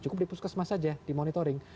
cukup di puskesmas saja di monitoring